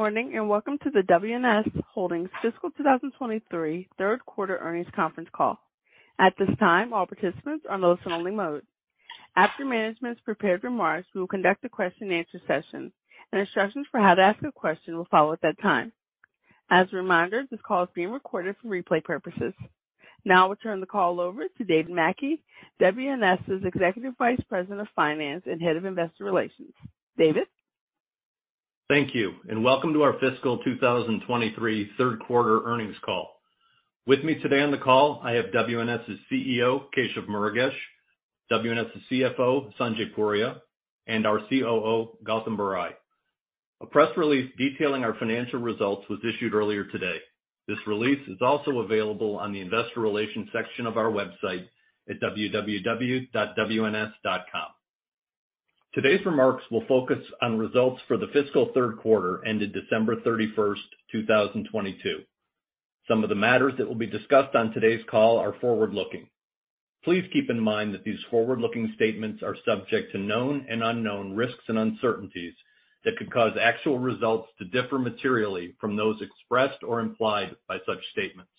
Good morning, and welcome to the WNS Holdings Fiscal 2023 third quarter earnings conference call. At this time, all participants are in listen only mode. After management's prepared remarks, we will conduct a question and answer session, and instructions for how to ask a question will follow at that time. As a reminder, this call is being recorded for replay purposes. I'll turn the call over to David Mackey, WNS's Executive Vice President of Finance and Head of Investor Relations. David? Thank you. Welcome to our fiscal 2023 third quarter earnings call. With me today on the call I have WNS's CEO, Keshav Murugesh, WNS's CFO, Sanjay Puria, and our COO, Gautam Barai. A press release detailing our financial results was issued earlier today. This release is also available on the investor relations section of our website at www.wns.com. Today's remarks will focus on results for the fiscal third quarter ended December 31, 2022. Some of the matters that will be discussed on today's call are forward-looking. Please keep in mind that these forward-looking statements are subject to known and unknown risks and uncertainties that could cause actual results to differ materially from those expressed or implied by such statements.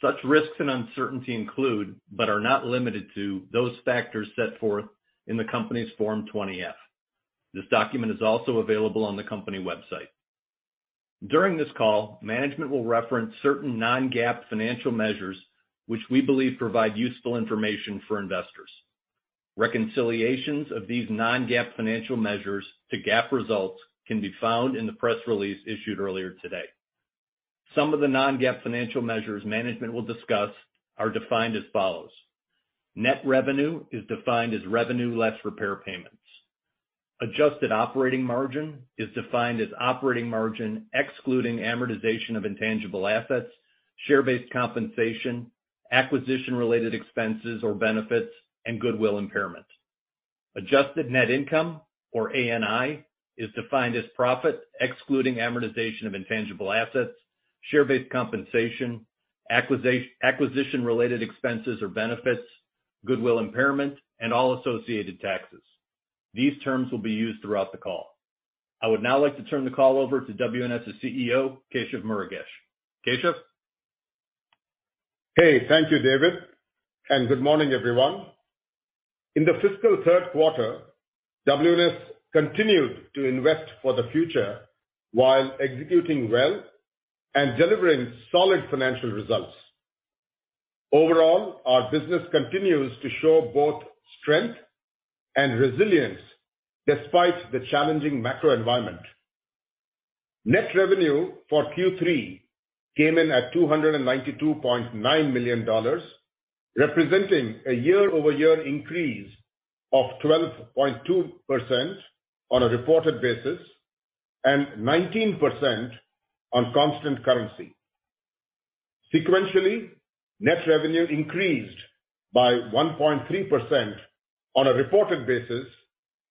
Such risks and uncertainty include, but are not limited to, those factors set forth in the company's Form 20-F. This document is also available on the company website. During this call, management will reference certain non-GAAP financial measures, which we believe provide useful information for investors. Reconciliations of these non-GAAP financial measures to GAAP results can be found in the press release issued earlier today. Some of the non-GAAP financial measures management will discuss are defined as follows: Net revenue is defined as revenue less repair payments. Adjusted operating margin is defined as operating margin excluding amortization of intangible assets, share-based compensation, acquisition-related expenses or benefits, and goodwill impairment. Adjusted net income, or ANI, is defined as profit excluding amortization of intangible assets, share-based compensation, acquisition-related expenses or benefits, goodwill impairment, and all associated taxes. These terms will be used throughout the call. I would now like to turn the call over to WNS's CEO, Keshav Murugesh. Keshav? Hey. Thank you, David, and good morning, everyone. In the fiscal third quarter, WNS continued to invest for the future while executing well and delivering solid financial results. Overall, our business continues to show both strength and resilience despite the challenging macro environment. Net revenue for Q3 came in at $292.9 million, representing a year-over-year increase of 12.2% on a reported basis, and 19% on constant currency. Sequentially, net revenue increased by 1.3% on a reported basis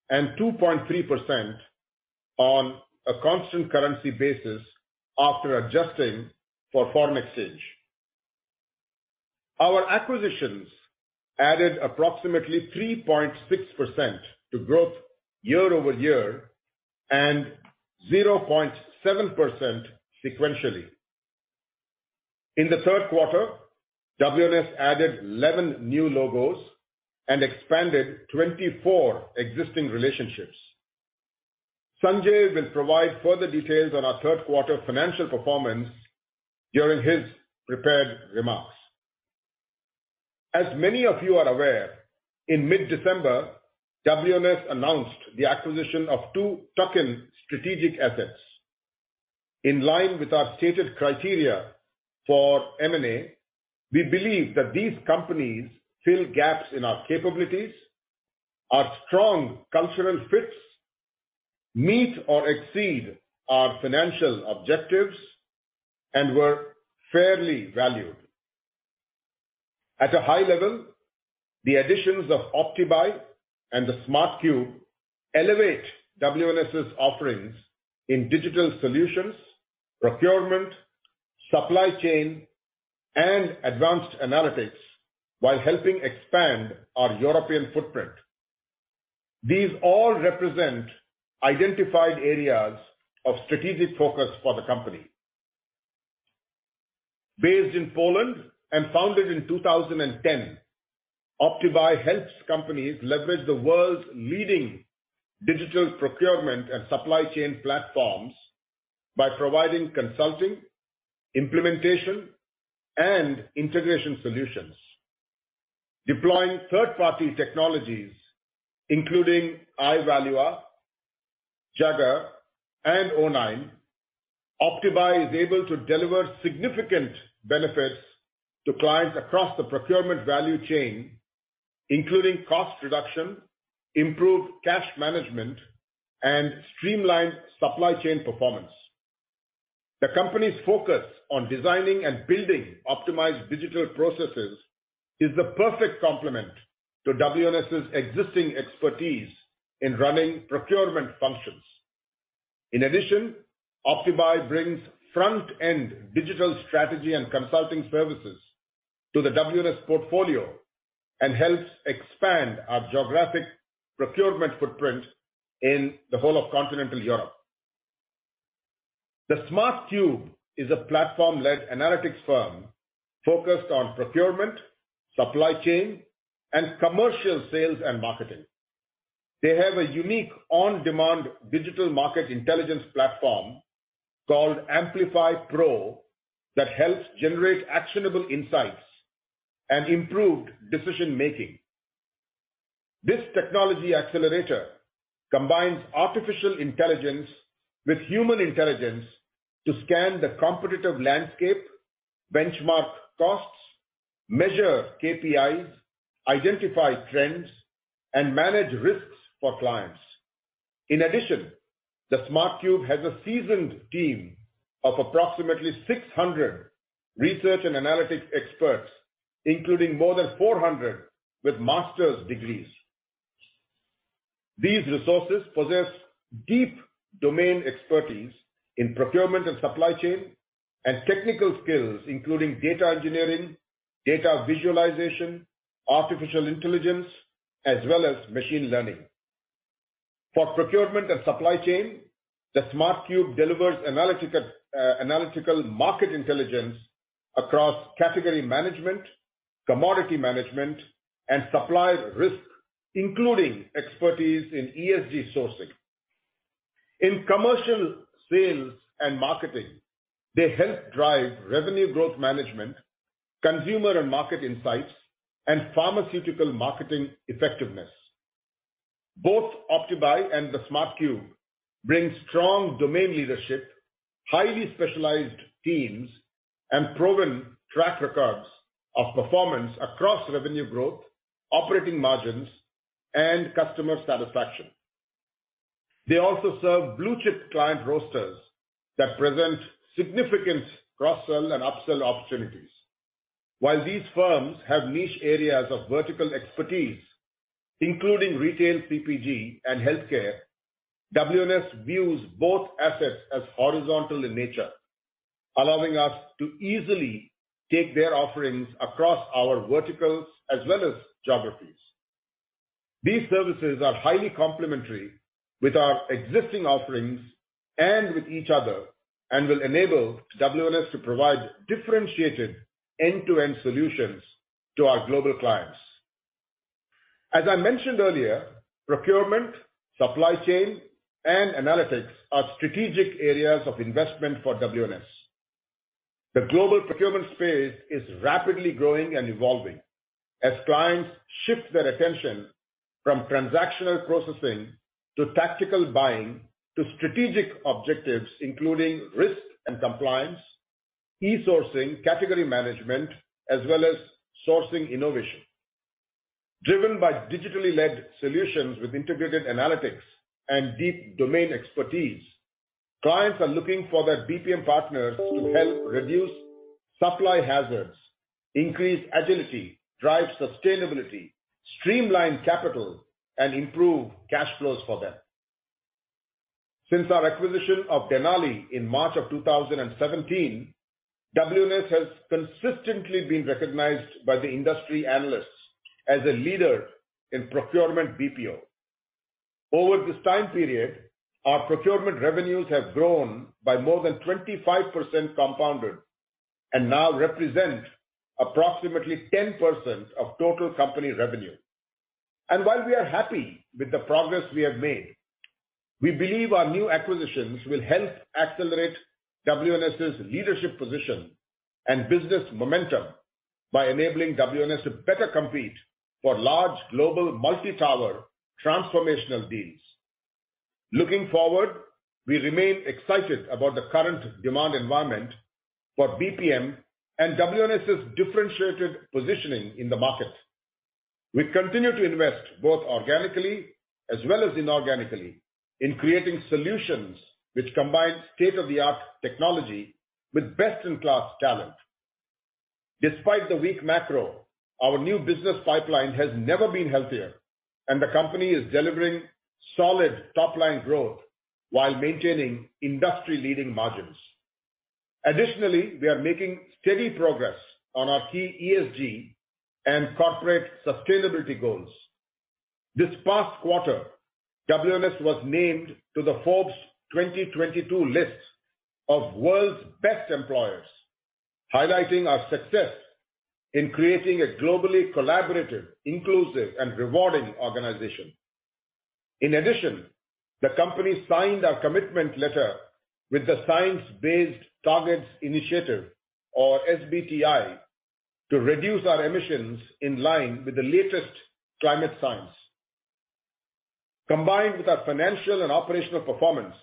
and 2.3% on a constant currency basis after adjusting for foreign exchange. Our acquisitions added approximately 3.6% to growth year-over-year, and 0.7% sequentially. In the third quarter, WNS added 11 new logos and expanded 24 existing relationships. Sanjay will provide further details on our third quarter financial performance during his prepared remarks. As many of you are aware, in mid-December, WNS announced the acquisition of two token strategic assets. In line with our stated criteria for M&A, we believe that these companies fill gaps in our capabilities, are strong cultural fits, meet or exceed our financial objectives, and were fairly valued. At a high level, the additions of OptiBuy and The Smart Cube elevate WNS's offerings in digital solutions, procurement, supply chain, and advanced analytics while helping expand our European footprint. These all represent identified areas of strategic focus for the company. Based in Poland and founded in 2010, OptiBuy helps companies leverage the world's leading digital procurement and supply chain platforms by providing consulting, implementation, and integration solutions. Deploying third-party technologies, including Ivalua, JAGGAER, and 09, OptiBuy is able to deliver significant benefits to clients across the procurement value chain, including cost reduction, improved cash management, and streamlined supply chain performance. The company's focus on designing and building optimized digital processes is the perfect complement to WNS's existing expertise in running procurement functions. In addition, OptiBuy brings front-end digital strategy and consulting services to the WNS portfolio. Helps expand our geographic procurement footprint in the whole of continental Europe. The Smart Cube is a platform-led analytics firm focused on procurement, supply chain, and commercial sales and marketing. They have a unique on-demand digital market intelligence platform called Amplifi PRO that helps generate actionable insights and improved decision-making. This technology accelerator combines artificial intelligence with human intelligence to scan the competitive landscape, benchmark costs, measure KPIs, identify trends, and manage risks for clients. In addition, The Smart Cube has a seasoned team of approximately 600 research and analytics experts, including more than 400 with master's degrees. These resources possess deep domain expertise in procurement and supply chain and technical skills, including data engineering, data visualization, artificial intelligence, as well as machine learning. For procurement and supply chain, The Smart Cube delivers analytical market intelligence across category management, commodity management, and supply risk, including expertise in ESG sourcing. In commercial sales and marketing, they help drive revenue growth management, consumer and market insights, and pharmaceutical marketing effectiveness. Both OptiBuy and The Smart Cube bring strong domain leadership, highly specialized teams, and proven track records of performance across revenue growth, operating margins, and customer satisfaction. They also serve blue-chip client rosters that present significant cross-sell and upsell opportunities. While these firms have niche areas of vertical expertise, including retail CPG and healthcare, WNS views both assets as horizontal in nature, allowing us to easily take their offerings across our verticals as well as geographies. These services are highly complementary with our existing offerings and with each other and will enable WNS to provide differentiated end-to-end solutions to our global clients. As I mentioned earlier, procurement, supply chain, and analytics are strategic areas of investment for WNS. The global procurement space is rapidly growing and evolving as clients shift their attention from transactional processing to tactical buying to strategic objectives, including risk and compliance, e-sourcing, category management, as well as sourcing innovation. Driven by digitally led solutions with integrated analytics and deep domain expertise, clients are looking for their BPM partners to help reduce supply hazards, increase agility, drive sustainability, streamline capital, and improve cash flows for them. Since our acquisition of Denali in March 2017, WNS has consistently been recognized by the industry analysts as a leader in procurement BPO. Over this time period, our procurement revenues have grown by more than 25% compounded and now represent approximately 10% of total company revenue. While we are happy with the progress we have made, we believe our new acquisitions will help accelerate WNS's leadership position and business momentum by enabling WNS to better compete for large global multi-tower transformational deals. Looking forward, we remain excited about the current demand environment for BPM and WNS's differentiated positioning in the market. We continue to invest both organically as well as inorganically in creating solutions which combine state-of-the-art technology with best-in-class talent. Despite the weak macro, our new business pipeline has never been healthier, and the company is delivering solid top-line growth while maintaining industry-leading margins. We are making steady progress on our key ESG and corporate sustainability goals. This past quarter, WNS was named to the Forbes 2022 list of World's Best Employers, highlighting our success in creating a globally collaborative, inclusive, and rewarding organization. The company signed a commitment letter with the Science Based Targets Initiative, or SBTI, to reduce our emissions in line with the latest climate science. Combined with our financial and operational performance,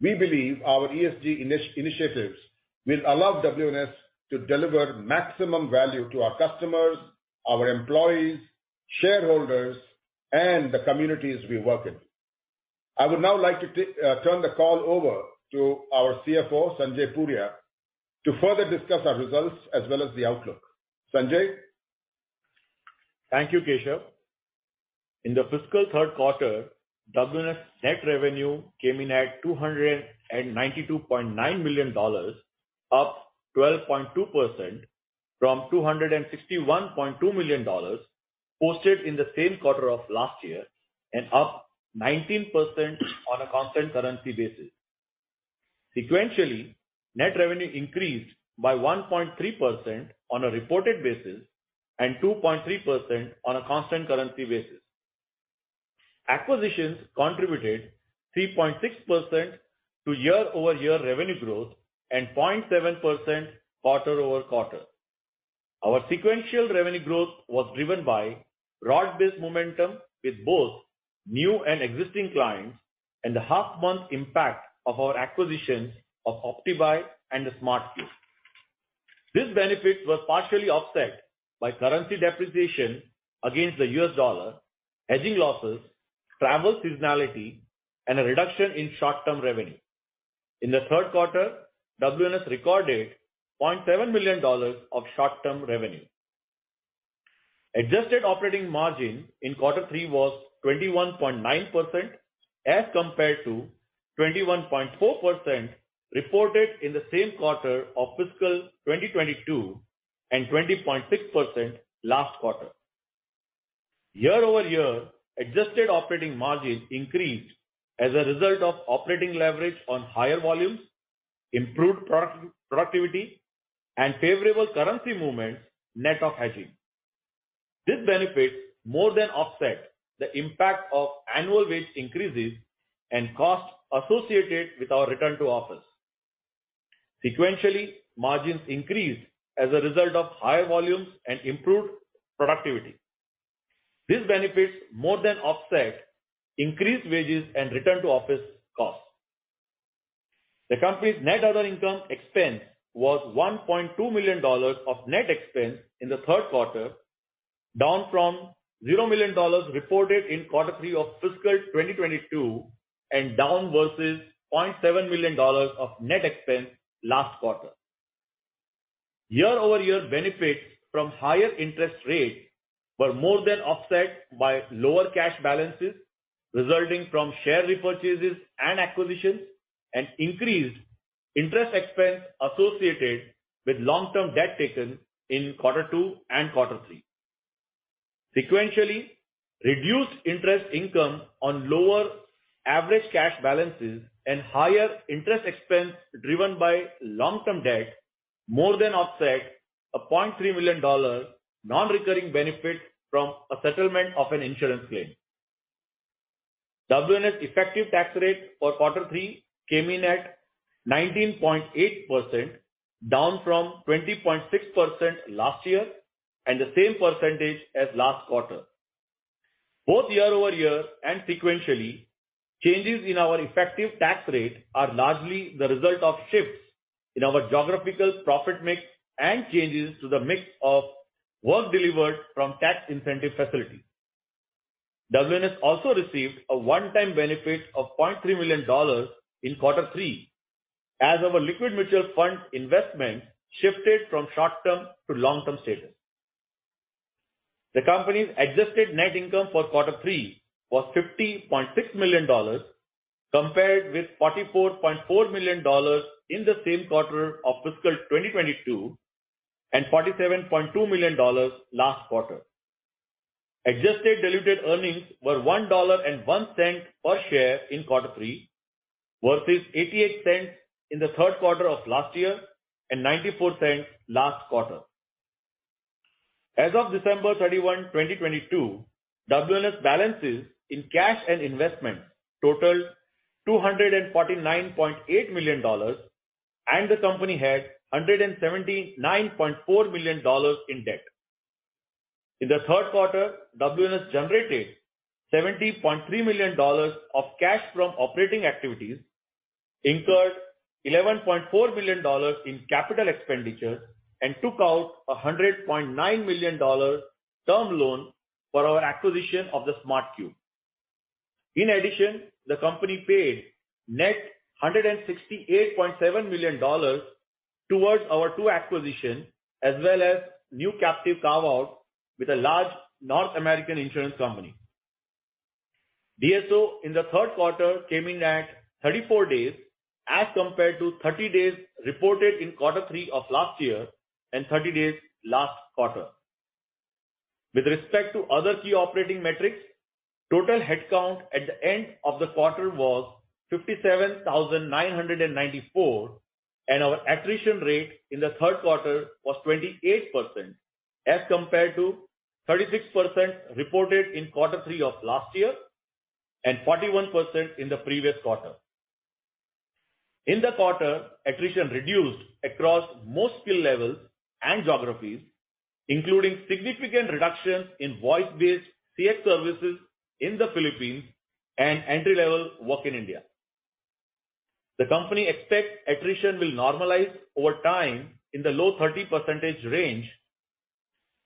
we believe our ESG initiatives will allow WNS to deliver maximum value to our customers, our employees, shareholders, and the communities we work in. I would now like to turn the call over to our CFO, Sanjay Puria, to further discuss our results as well as the outlook. Sanjay? Thank you, Keshav. In the fiscal third quarter, WNS net revenue came in at $292.9 million, up 12.2% from $261.2 million posted in the same quarter of last year and up 19% on a constant currency basis. Sequentially, net revenue increased by 1.3% on a reported basis and 2.3% on a constant currency basis. Acquisitions contributed 3.6% to year-over-year revenue growth and 0.7% quarter-over-quarter. Our sequential revenue growth was driven by broad-based momentum with both new and existing clients and the half month impact of our acquisitions of OptiBuy and The Smart Cube. These benefits were partially offset by currency depreciation against the U.S. dollar, hedging losses, travel seasonality and a reduction in short-term revenue. In the third quarter, WNS recorded $0.7 million of short-term revenue. Adjusted operating margin in quarter three was 21.9% as compared to 21.4% reported in the same quarter of fiscal 2022 and 20.6% last quarter. Year-over-year adjusted operating margin increased as a result of operating leverage on higher volumes, improved productivity and favorable currency movements, net of hedging. This benefit more than offset the impact of annual wage increases and costs associated with our return to office. Sequentially, margins increased as a result of higher volumes and improved productivity. These benefits more than offset increased wages and return to office costs. The company's net other income expense was $1.2 million of net expense in the Q3, down from $0 million reported in Q3 of fiscal 2022 and down versus $0.7 million of net expense last quarter. Year-over-year benefits from higher interest rates were more than offset by lower cash balances resulting from share repurchases and acquisitions and increased interest expense associated with long-term debt taken in Q2 and Q3. Sequentially, reduced interest income on lower average cash balances and higher interest expense driven by long-term debt more than offset a $0.3 million non-recurring benefit from a settlement of an insurance claim. WNS effective tax rate for Q3 came in at 19.8%, down from 20.6% last year and the same percentage as last quarter. Both year-over-year and sequentially, changes in our effective tax rate are largely the result of shifts in our geographical profit mix and changes to the mix of work delivered from tax incentive facilities. WNS also received a one-time benefit of $0.3 million in quarter three as our liquid mutual fund investment shifted from short-term to long-term status. The company's adjusted net income for quarter three was $50.6 million compared with $44.4 million in the same quarter of fiscal 2022 and $47.2 million last quarter. Adjusted diluted earnings were $1.01 per share in quarter three versus $0.88 in the third quarter of last year and $0.94 last quarter. As of December 31, 2022, WNS balances in cash and investments totaled $249.8 million and the company had $179.4 million in debt. In the third quarter, WNS generated $70.3 million of cash from operating activities, incurred $11.4 million in capital expenditures and took out a $100.9 million term loan for our acquisition of The Smart Cube. In addition, the company paid net $168.7 million towards our two acquisitions as well as new captive carve-out with a large North American insurance company. DSO in the third quarter came in at 34 days as compared to 30 days reported in quarter three of last year and 30 days last quarter. With respect to other key operating metrics, total headcount at the end of the quarter was 57,994 and our attrition rate in the third quarter was 28% as compared to 36% reported in Q3 of last year and 41% in the previous quarter. In the quarter, attrition reduced across most skill levels and geographies, including significant reductions in voice-based CX services in the Philippines and entry-level work in India. The company expects attrition will normalize over time in the low 30% range,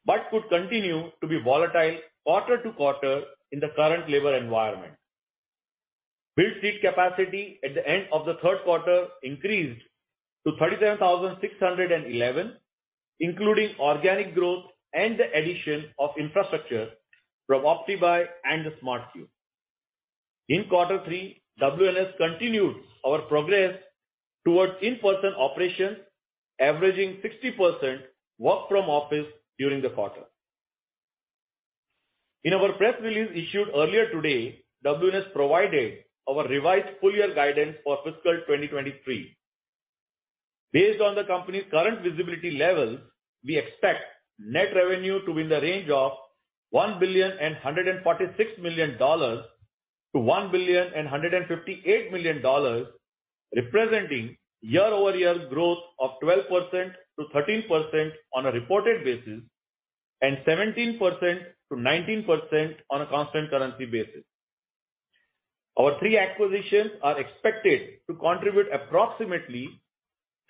but could continue to be volatile quarter-to-quarter in the current labor environment. Build seat capacity at the end of the third quarter increased to 37,611, including organic growth and the addition of infrastructure from OptiBuy and The Smart Cube. In Q3, WNS continued our progress towards in-person operations, averaging 60% work from office during the quarter. In our press release issued earlier today, WNS provided our revised full year guidance for fiscal 2023. Based on the company's current visibility levels, we expect net revenue to be in the range of $1.146 billion-$1.158 billion, representing year-over-year growth of 12%-13% on a reported basis and 17%-19% on a constant currency basis. Our three acquisitions are expected to contribute approximately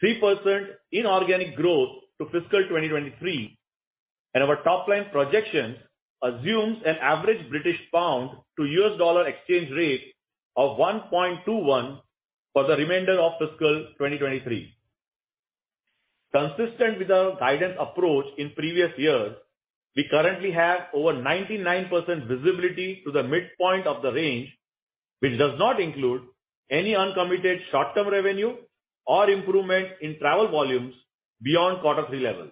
3% inorganic growth to fiscal 2023, and our top-line projection assumes an average British pound to U.S. dollar exchange rate of 1.21 for the remainder of fiscal 2023. Consistent with our guidance approach in previous years, we currently have over 99% visibility to the midpoint of the range, which does not include any uncommitted short-term revenue or improvement in travel volumes beyond quarter three levels.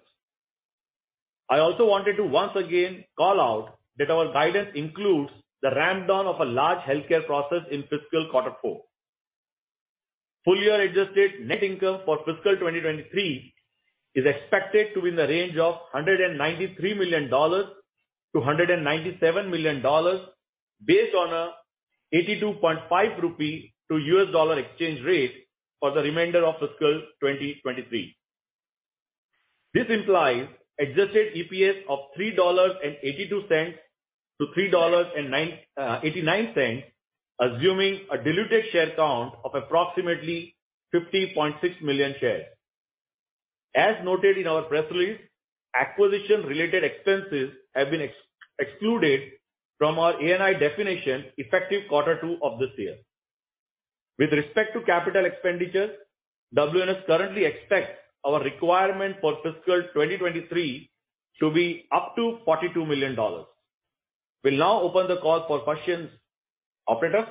I also wanted to once again call out that our guidance includes the ramp down of a large healthcare process in fiscal quarter four. Full year adjusted net income for fiscal 2023 is expected to be in the range of $193 million-$197 million based on a 82.5 rupee to U.S. dollar exchange rate for the remainder of fiscal 2023. This implies adjusted EPS of $3.82-$3.89, assuming a diluted share count of approximately 50.6 million shares. As noted in our press release, acquisition-related expenses have been excluded from our ANI definition effective Q2 of this year. With respect to capital expenditures, WNS currently expects our requirement for fiscal 2023 to be up to $42 million. We'll now open the call for questions. Operator?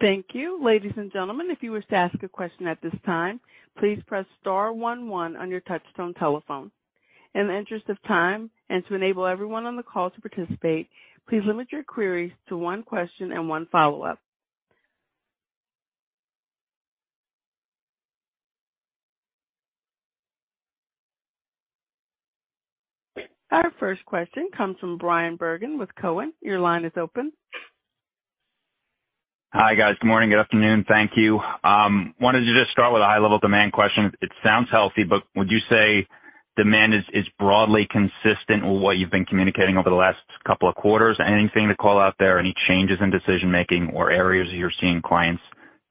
Thank you. Ladies and gentlemen, if you wish to ask a question at this time, please press star one one on your touchstone telephone. In the interest of time and to enable everyone on the call to participate, please limit your queries to one question and one follow-up. Our first question comes from Bryan Bergin with Cowen. Your line is open. Hi, guys. Good morning. Good afternoon. Thank you. wanted to just start with a high-level demand question. It sounds healthy, but would you say demand is broadly consistent with what you've been communicating over the last couple of quarters? Anything to call out there, any changes in decision-making or areas you're seeing clients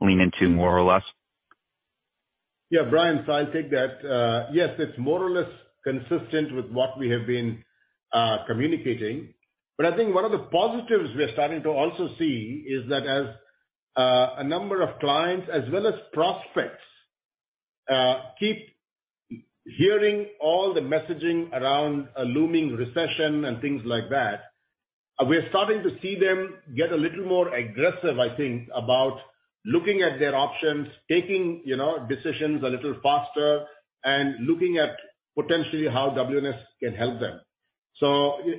lean into more or less? Bryan, I'll take that. Yes, it's more or less consistent with what we have been communicating. I think one of the positives we're starting to also see is that as a number of clients as well as prospects keep hearing all the messaging around a looming recession and things like that, we're starting to see them get a little more aggressive, I think, about looking at their options, taking, you know, decisions a little faster and looking at potentially how WNS can help them.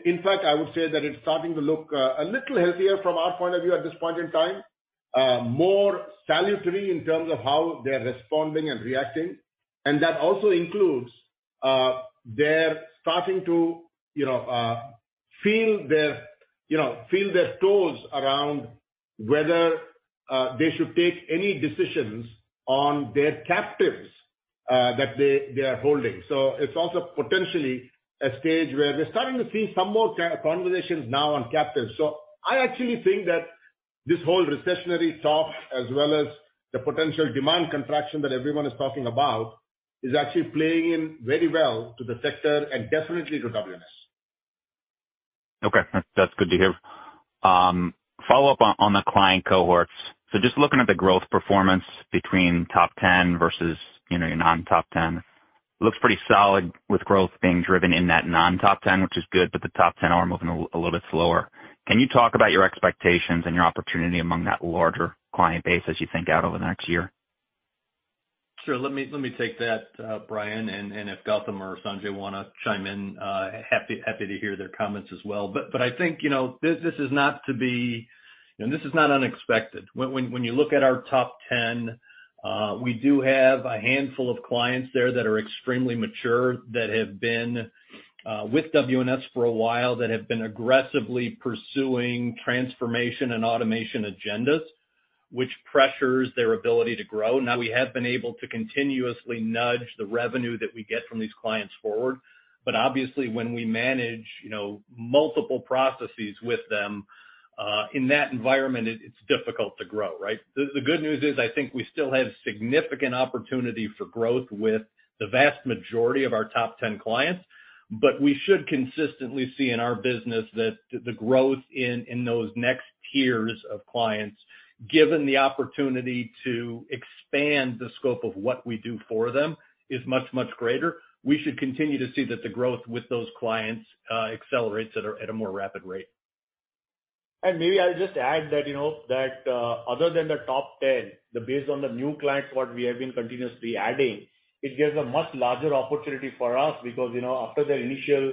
In fact, I would say that it's starting to look a little healthier from our point of view at this point in time, more salutary in terms of how they are responding and reacting. That also includes, they're starting to, you know, feel their, you know, feel their toes around whether they should take any decisions on their captives that they are holding. It's also potentially a stage where we're starting to see some more conversations now on captives. I actually think that this whole recessionary talk as well as the potential demand contraction that everyone is talking about is actually playing in very well to the sector and definitely to WNS. That's good to hear. Follow-up on the client cohorts. Just looking at the growth performance between top 10 versus, you know, your non-top 10. Looks pretty solid with growth being driven in that non-top 10, which is good. The top 10 are moving a little bit slower. Can you talk about your expectations and your opportunity among that larger client base as you think out over the next year? Sure. Let me take that, Bryan, and if Gautam or Sanjay wanna chime in, happy to hear their comments as well. I think, you know, this is not to be, you know, this is not unexpected. When you look at our top 10, we do have a handful of clients there that are extremely mature, that have been with WNS for a while, that have been aggressively pursuing transformation and automation agendas, which pressures their ability to grow. Now, we have been able to continuously nudge the revenue that we get from these clients forward, but obviously when we manage, you know, multiple processes with them, in that environment, it's difficult to grow, right? The good news is I think we still have significant opportunity for growth with the vast majority of our top 10 clients. We should consistently see in our business that the growth in those next tiers of clients, given the opportunity to expand the scope of what we do for them is much greater. We should continue to see that the growth with those clients accelerates at a more rapid rate. Maybe I'll just add that, you know, that, other than the top 10, the base on the new clients, what we have been continuously adding, it gives a much larger opportunity for us because, you know, after the initial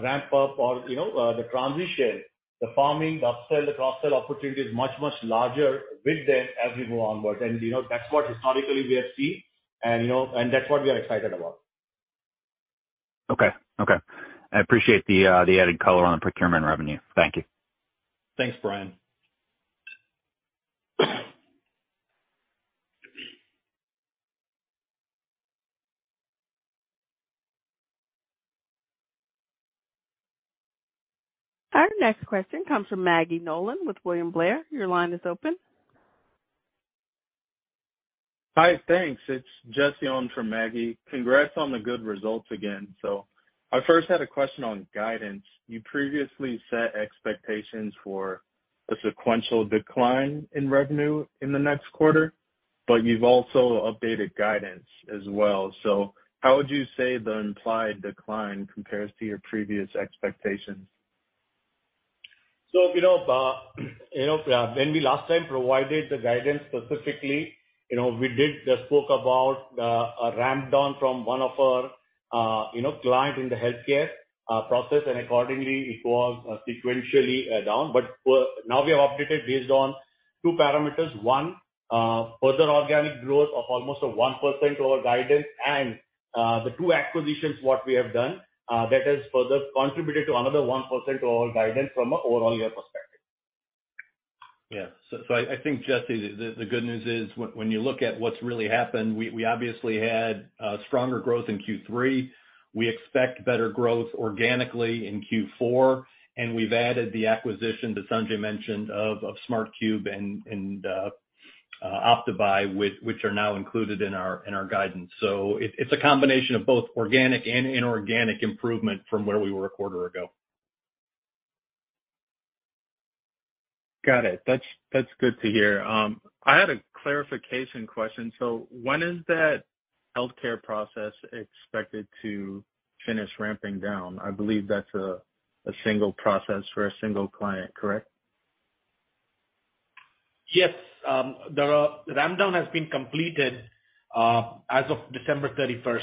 ramp up or, you know, the transition, the farming, the upsell, the cross-sell opportunity is much, much larger with them as we go onwards. You know, that's what historically we have seen and, you know, and that's what we are excited about. Okay. Okay. I appreciate the added color on the procurement revenue. Thank you. Thanks, Bryan. Our next question comes from Maggie Nolan with William Blair. Your line is open. Hi. Thanks. It's Jesse on for Maggie. Congrats on the good results again. I first had a question on guidance. You previously set expectations for a sequential decline in revenue in the next quarter, but you've also updated guidance as well. How would you say the implied decline compares to your previous expectations? You know, when we last time provided the guidance specifically, you know, we did just spoke about a ramp down from one of our, you know, client in the healthcare process and accordingly it was sequentially down. For now we have updated based on two parameters. One, further organic growth of almost a 1% over guidance, the two acquisitions what we have done, that has further contributed to another 1% to our guidance from a overall year perspective. I think, Jesse, the good news is when you look at what's really happened, we obviously had stronger growth in Q3. We expect better growth organically in Q4, and we've added the acquisition that Sanjay mentioned of The Smart Cube and OptiBuy which are now included in our guidance. It's a combination of both organic and inorganic improvement from where we were a quarter ago. Got it. That's, that's good to hear. I had a clarification question. When is that healthcare process expected to finish ramping down? I believe that's a single process for a single client, correct? Yes. The ramp down has been completed, as of December 31st.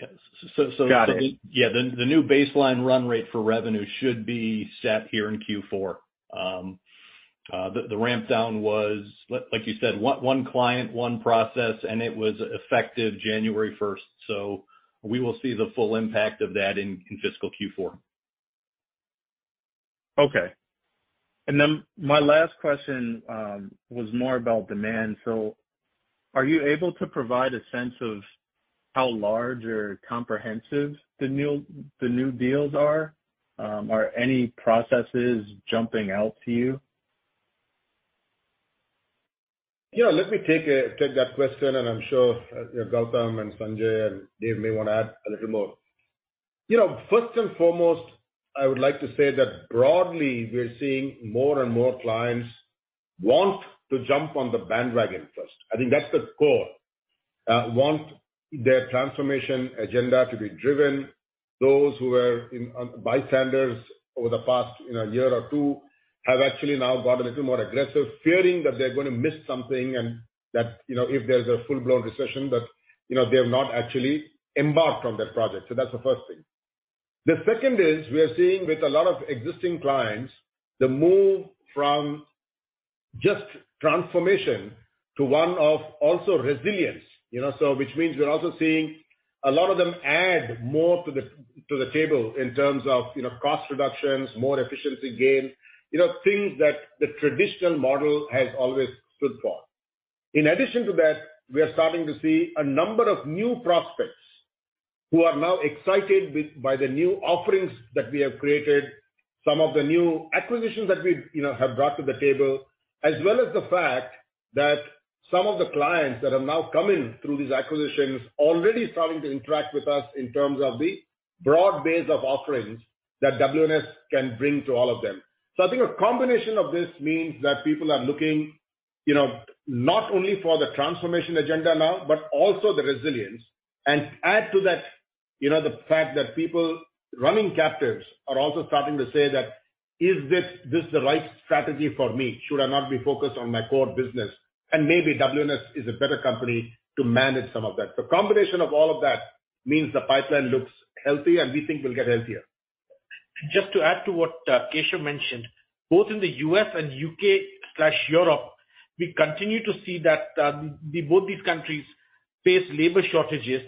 Okay. Got it. Yeah. The new baseline run rate for revenue should be set here in Q4. The ramp down was like you said, one client, one process, and it was effective January first. We will see the full impact of that in fiscal Q4. Okay. My last question was more about demand. Are you able to provide a sense of how large or comprehensive the new deals are? Are any processes jumping out to you? Yeah. Let me take that question, and I'm sure, Gautam and Sanjay and Dave may wanna add a little more. You know, first and foremost, I would like to say that broadly, we are seeing more and more clients want to jump on the bandwagon first. I think that's the core. Want their transformation agenda to be driven. Those who were in, bystanders over the past, you know, year or two have actually now gotten a little more aggressive, fearing that they're gonna miss something and that, you know, if there's a full-blown recession that, you know, they've not actually embarked on that project. That's the first thing. The second is we are seeing with a lot of existing clients the move from just transformation to one of also resilience, you know, so which means we're also seeing a lot of them add more to the table in terms of, you know, cost reductions, more efficiency gain, you know, things that the traditional model has always stood for. In addition to that, we are starting to see a number of new prospects who are now excited by the new offerings that we have created, some of the new acquisitions that we've, you know, have brought to the table, as well as the fact that some of the clients that are now coming through these acquisitions already starting to interact with us in terms of the broad base of offerings that WNS can bring to all of them. I think a combination of this means that people are looking, you know, not only for the transformation agenda now, but also the resilience. Add to that, you know, the fact that people running captives are also starting to say that, "Is this the right strategy for me? Should I not be focused on my core business?" Maybe WNS is a better company to manage some of that. The combination of all of that means the pipeline looks healthy and we think will get healthier. Just to add to what Keshav mentioned, both in the U.S. and U.K./Europe, we continue to see that the both these countries face labor shortages.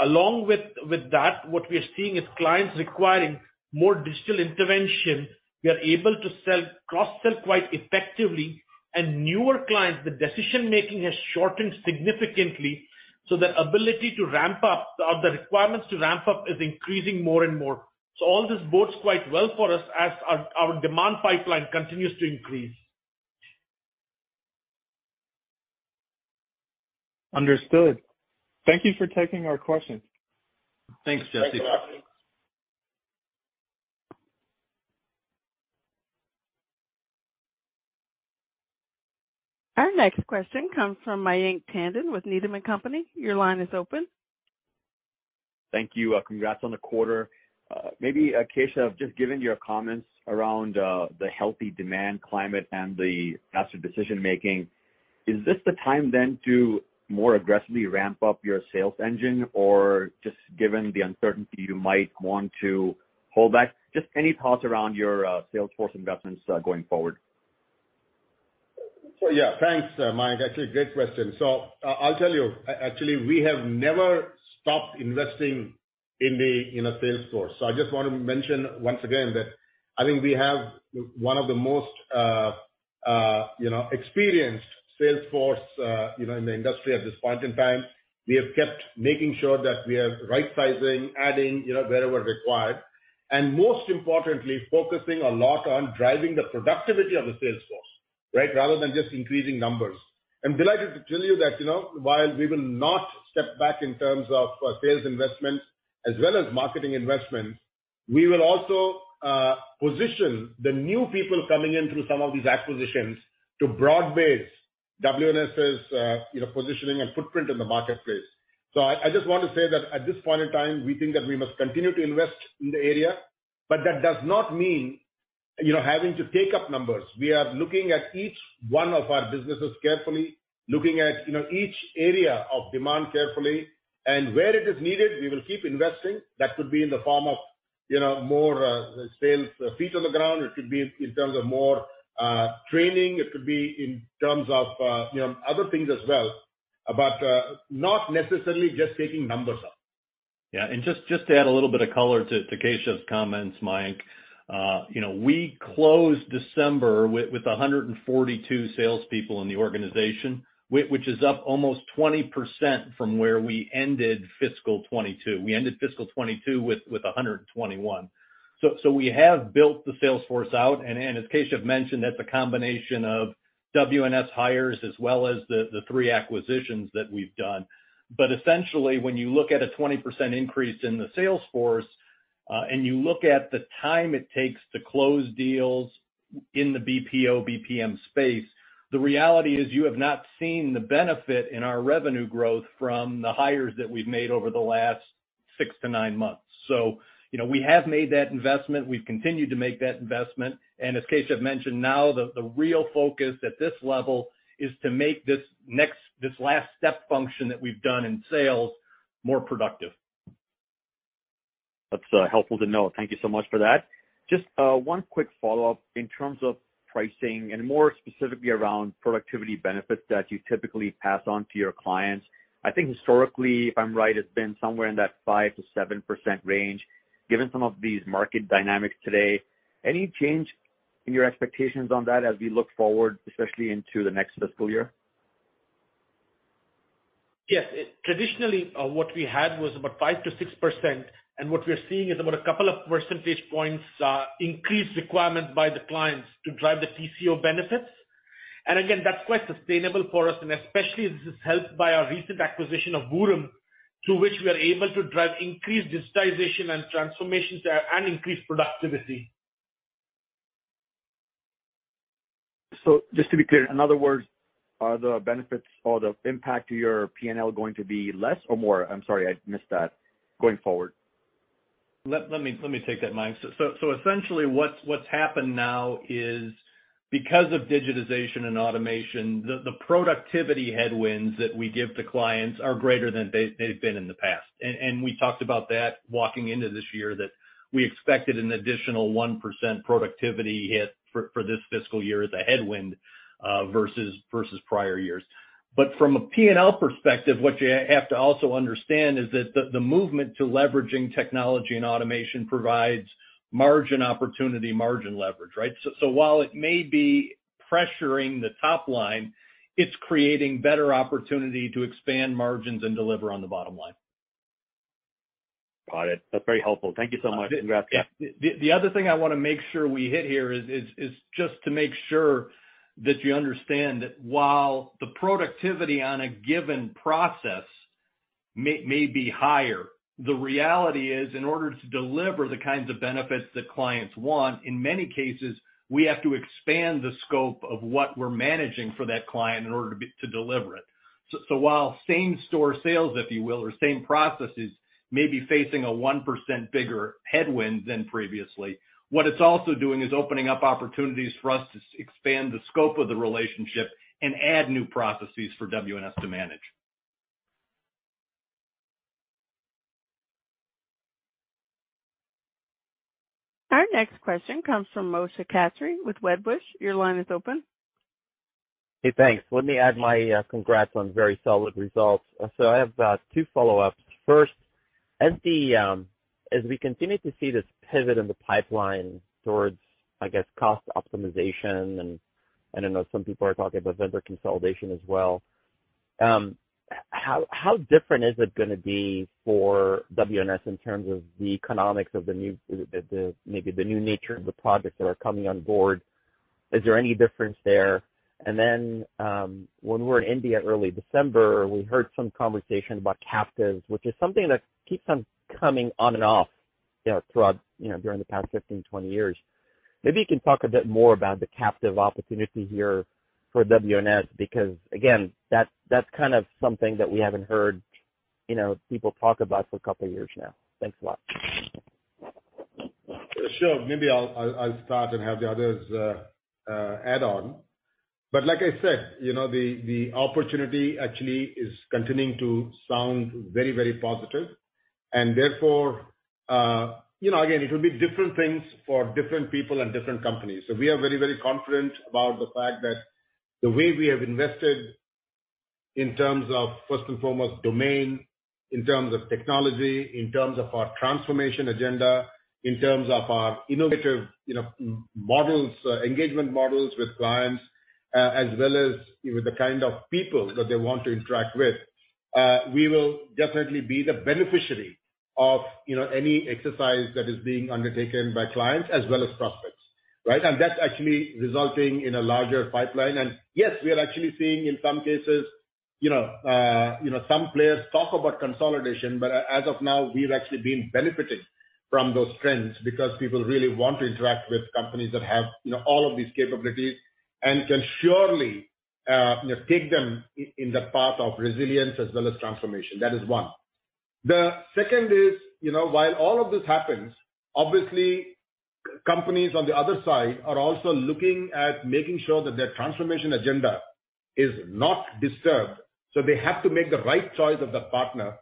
Along with that, what we are seeing is clients requiring more digital intervention, we are able to cross-sell quite effectively. Newer clients, the decision-making has shortened significantly, so the ability to ramp up or the requirements to ramp up is increasing more and more. All this bodes quite well for us as our demand pipeline continues to increase. Understood. Thank you for taking our questions. Thanks, Jesse. Thank you. Our next question comes from Mayank Tandon with Needham & Company. Your line is open. Thank you. Congrats on the quarter. Maybe, Keshav, just given your comments around the healthy demand climate and the master decision-making, is this the time then to more aggressively ramp up your sales engine? Just given the uncertainty, you might want to hold back? Just any thoughts around your sales force investments going forward? Yeah. Thanks, Mayank. Actually, great question. I'll tell you, actually, we have never stopped investing in the sales force. I just want to mention once again that I think we have one of the most, you know, experienced sales force, you know, in the industry at this point in time. We have kept making sure that we are right-sizing, adding, you know, wherever required, and most importantly, focusing a lot on driving the productivity of the sales force, right? Rather than just increasing numbers. I'm delighted to tell you that, you know, while we will not step back in terms of sales investments as well as marketing investments, we will also position the new people coming in through some of these acquisitions to broad base WNS's, you know, positioning and footprint in the marketplace. I just want to say that at this point in time, we think that we must continue to invest in the area. That does not mean, you know, having to take up numbers. We are looking at each one of our businesses carefully, looking at, you know, each area of demand carefully, and where it is needed, we will keep investing. That could be in the form of, you know, more sales feet on the ground. It could be in terms of more training, it could be in terms of, you know, other things as well, but not necessarily just taking numbers up. Yeah. Just to add a little bit of color to Keshav's comments, Mayank. You know, we closed December with 142 salespeople in the organization, which is up almost 20% from where we ended fiscal 2022. We ended fiscal 2022 with 121. We have built the sales force out, and as Keshav mentioned, that's a combination of WNS hires as well as the three acquisitions that we've done. Essentially, when you look at a 20% increase in the sales force, and you look at the time it takes to close deals in the BPO, BPM space, the reality is you have not seen the benefit in our revenue growth from the hires that we've made over the last six to nine months. You know, we have made that investment. We've continued to make that investment, and as Keshav mentioned, now the real focus at this level is to make this last step function that we've done in sales more productive. That's helpful to know. Thank you so much for that. Just one quick follow-up in terms of pricing and more specifically around productivity benefits that you typically pass on to your clients. I think historically, if I'm right, it's been somewhere in that 5%-7% range. Given some of these market dynamics today, any change in your expectations on that as we look forward, especially into the next fiscal year? Yes. Traditionally, what we had was about 5%-6%, what we're seeing is about a couple of percentage points, increased requirement by the clients to drive the TCO benefits. Again, that's quite sustainable for us, and especially this is helped by our recent acquisition of Vuram, through which we are able to drive increased digitization and transformation there and increase productivity. Just to be clear, in other words, are the benefits or the impact to your P&L going to be less or more? I'm sorry I missed that, going forward. Let me take that, Mayank. Essentially what's happened now is because of digitization and automation, the productivity headwinds that we give to clients are greater than they've been in the past. We talked about that walking into this year, that we expected an additional 1% productivity hit for this fiscal year as a headwind versus prior years. From a P&L perspective, what you have to also understand is that the movement to leveraging technology and automation provides margin opportunity, margin leverage, right? While it may be pressuring the top line, it's creating better opportunity to expand margins and deliver on the bottom line. Got it. That's very helpful. Thank you so much. Congrats. Yeah. The other thing I wanna make sure we hit here is just to make sure that you understand that while the productivity on a given process may be higher, the reality is in order to deliver the kinds of benefits that clients want, in many cases, we have to expand the scope of what we're managing for that client in order to deliver it. While same store sales, if you will, or same processes may be facing a 1% bigger headwind than previously, what it's also doing is opening up opportunities for us to expand the scope of the relationship and add new processes for WNS to manage. Our next question comes from Moshe Katri with Wedbush. Your line is open. Hey, thanks. Let me add my congrats on very solid results. I have two follow-ups. First, as we continue to see this pivot in the pipeline towards, I guess, cost optimization, and I know some people are talking about vendor consolidation as well, how different is it gonna be for WNS in terms of the economics of the new, maybe the new nature of the projects that are coming on board? Is there any difference there? When we were in India early December, we heard some conversation about captives, which is something that keeps on coming on and off. Yeah, throughout, you know, during the past 15, 20 years. Maybe you can talk a bit more about the captive opportunity here for WNS, because again, that's kind of something that we haven't heard, you know, people talk about for a couple of years now. Thanks a lot. Sure. Maybe I'll start and have the others add on. Like I said, you know the opportunity actually is continuing to sound very positive. Therefore, you know, again, it will be different things for different people and different companies. We are very confident about the fact that the way we have invested in terms of, first and foremost, domain, in terms of technology, in terms of our transformation agenda, in terms of our innovative, you know, models, engagement models with clients, as well as with the kind of people that they want to interact with. We will definitely be the beneficiary of, you know, any exercise that is being undertaken by clients as well as prospects, right? That's actually resulting in a larger pipeline. Yes, we are actually seeing in some cases, you know, some players talk about consolidation, but as of now, we've actually been benefiting from those trends because people really want to interact with companies that have, you know, all of these capabilities and can surely take them in the path of resilience as well as transformation. That is one. The second is, you know, while all of this happens, obviously companies on the other side are also looking at making sure that their transformation agenda is not disturbed, so they have to make the right choice of the partner.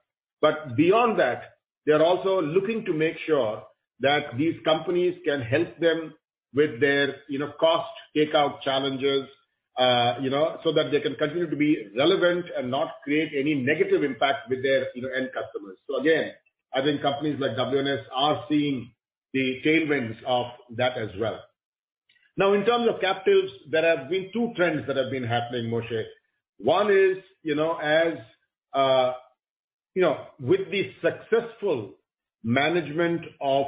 Beyond that, they are also looking to make sure that these companies can help them with their, you know, cost takeout challenges, you know, so that they can continue to be relevant and not create any negative impact with their, you know, end customers. Again, I think companies like WNS are seeing the tailwinds of that as well. In terms of captives, there have been two trends that have been happening, Moshe. One is, you know, as, you know, with the successful management of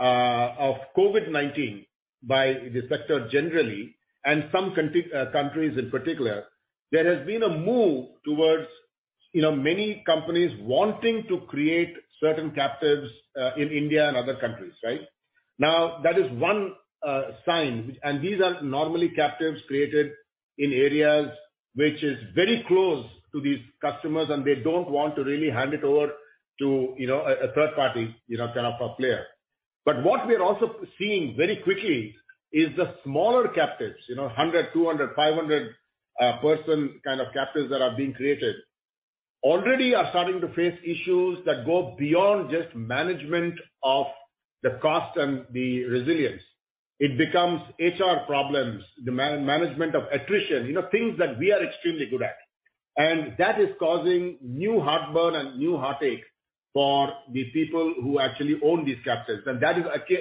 COVID-19 by the sector generally, and some countries in particular, there has been a move towards, you know, many companies wanting to create certain captives in India and other countries right? That is one sign, and these are normally captives created in areas which is very close to these customers, and they don't want to really hand it over to, you know, a third party, you know, kind of a player. What we are also seeing very quickly is the smaller captives, you know, 100, 200, 500 person kind of captives that are being created already are starting to face issues that go beyond just management of the cost and the resilience. It becomes HR problems, the man-management of attrition, you know, things that we are extremely good at. That is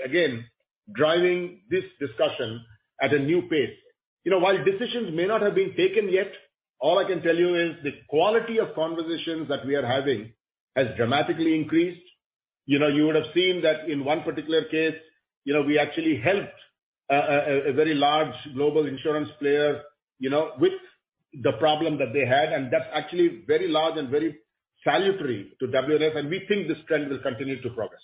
again, driving this discussion at a new pace. You know, while decisions may not have been taken yet, all I can tell you is the quality of conversations that we are having has dramatically increased. You know, you would have seen that in one particular case, you know, we actually helped a very large global insurance player, you know, with the problem that they had. That's actually very large and very salutary to WNS, and we think this trend will continue to progress.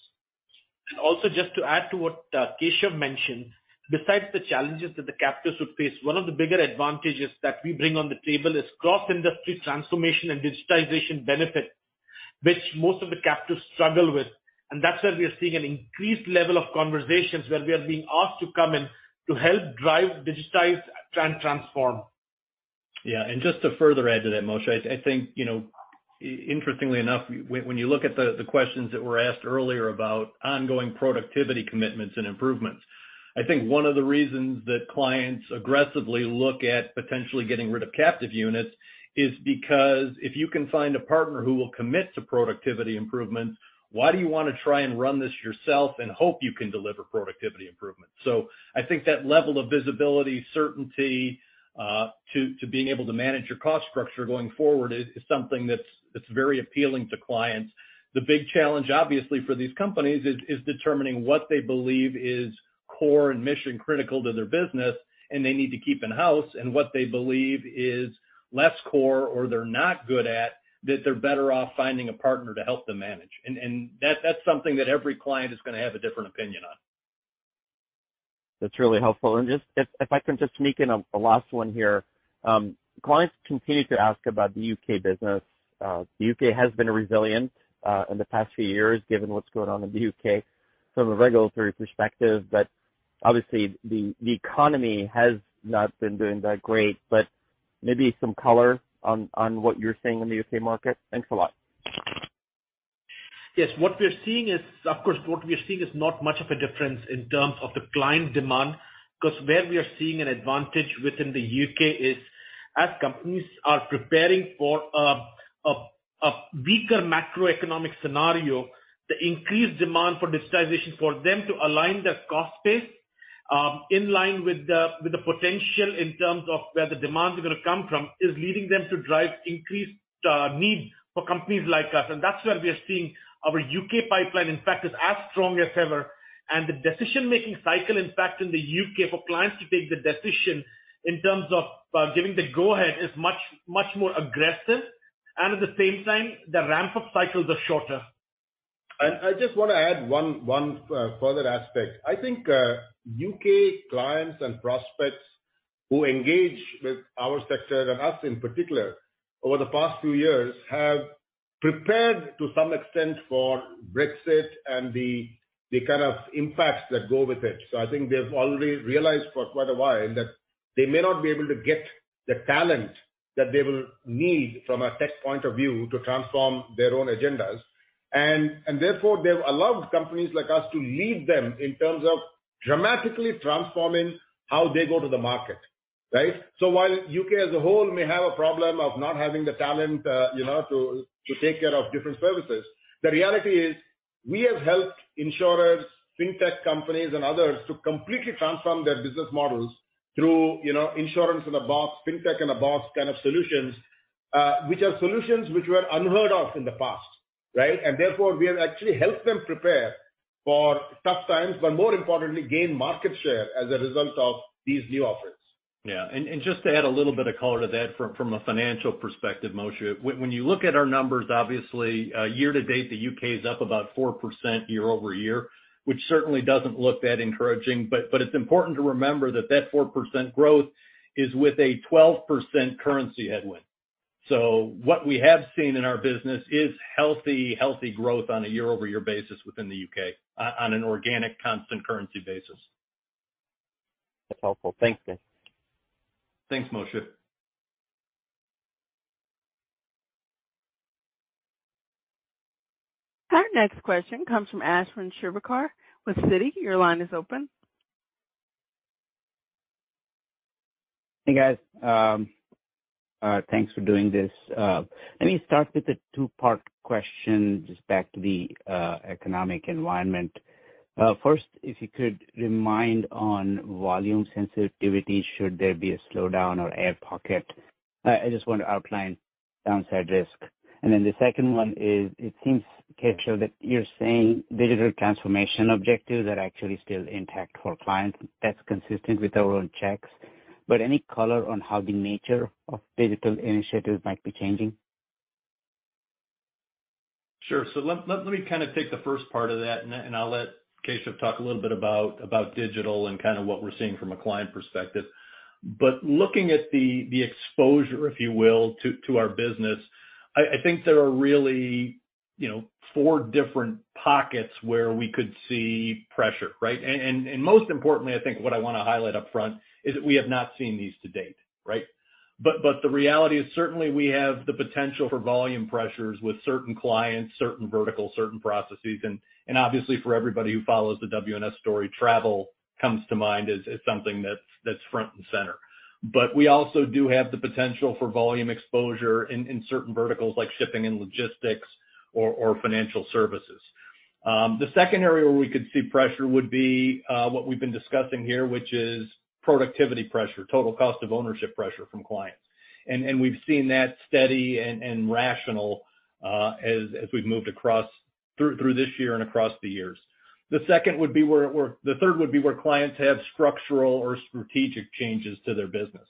Also just to add to what Keshav mentioned, besides the challenges that the captives would face, one of the bigger advantages that we bring on the table is cross-industry transformation and digitization benefits, which most of the captives struggle with. That's where we are seeing an increased level of conversations where we are being asked to come and to help drive, digitize, transform. Yeah. Just to further add to that, Moshe, I think, you know, interestingly enough, when you look at the questions that were asked earlier about ongoing productivity commitments and improvements, I think one of the reasons that clients aggressively look at potentially getting rid of captive units is because if you can find a partner who will commit to productivity improvements, why do you wanna try and run this yourself and hope you can deliver productivity improvements? I think that level of visibility, certainty, to being able to manage your cost structure going forward is something that's very appealing to clients. The big challenge, obviously, for these companies is determining what they believe is core and mission-critical to their business and they need to keep in-house and what they believe is less core or they're not good at, that they're better off finding a partner to help them manage. That's something that every client is gonna have a different opinion on. That's really helpful. Just if I can just sneak in a last one here. Clients continue to ask about the U.K. business. The U.K. has been resilient in the past few years, given what's going on in the U.K. from a regulatory perspective, but obviously the economy has not been doing that great, but maybe some color on what you're seeing in the U.K. market. Thanks a lot. Yes. What we're seeing is... Of course, what we're seeing is not much of a difference in terms of the client demand, 'cause where we are seeing an advantage within the U.K. is as companies are preparing for a weaker macroeconomic scenario, the increased demand for digitization for them to align their cost base in line with the potential in terms of where the demand is gonna come from, is leading them to drive increased need for companies like us. That's where we are seeing our U.K. pipeline, in fact, is as strong as ever. The decision-making cycle, in fact, in the U.K. for clients to take the decision in terms of giving the go ahead is much, much more aggressive and at the same time, the ramp-up cycles are shorter. I just wanna add one further aspect. I think U.K. clients and prospects who engage with our sector and us in particular over the past few years have prepared to some extent for Brexit and the kind of impacts that go with it. I think they've already realized for quite a while that they may not be able to get the talent that they will need from a tech point of view to transform their own agendas. Therefore, they've allowed companies like us to lead them in terms of dramatically transforming how they go to the market, right? While U.K. as a whole may have a problem of not having the talent, you know, to take care of different services, the reality is we have helped insurers, fintech companies and others to completely transform their business models through, you know, Insurance-in-a-Box, Fintech-in-a-Box kind of solutions, which are solutions which were unheard of in the past, right? Therefore, we have actually helped them prepare for tough times, but more importantly, gain market share as a result of these new offerings. Yeah. Just to add a little bit of color to that from a financial perspective, Moshe, when you look at our numbers, obviously, year-to-date, the U.K. is up about 4% year-over-year, which certainly doesn't look that encouraging, but it's important to remember that that 4% growth is with a 12% currency headwind. What we have seen in our business is healthy growth on a year-over-year basis within the U.K. on an organic constant currency basis. That's helpful. Thank you. Thanks, Moshe. Our next question comes from Ashwin Shirvaikar with Citi. Your line is open. Hey, guys. Thanks for doing this. Let me start with a two-part question just back to the economic environment. First, if you could remind on volume sensitivity should there be a slowdown or air pocket? I just want to outline downside risk. The second one is, it seems, Keshav, that you're saying digital transformation objectives are actually still intact for clients. That's consistent with our own checks. Any color on how the nature of digital initiatives might be changing? Sure. Let me kinda take the first part of that, and I'll let Keshav talk a little bit about digital and kinda what we're seeing from a client perspective. Looking at the exposure, if you will, to our business, I think there are really, you know, four different pockets where we could see pressure, right? Most importantly, I think what I wanna highlight upfront is that we have not seen these to date, right? The reality is certainly we have the potential for volume pressures with certain clients, certain verticals, certain processes, and obviously for everybody who follows the WNS story, travel comes to mind as something that's front and center. We also do have the potential for volume exposure in certain verticals like shipping and logistics or financial services. The second area where we could see pressure would be what we've been discussing here, which is productivity pressure, total cost of ownership pressure from clients. We've seen that steady and rational, as we've moved across through this year and across the years. The third would be where clients have structural or strategic changes to their business.